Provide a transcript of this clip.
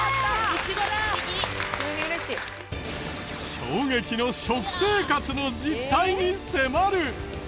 衝撃の食生活の実態に迫る！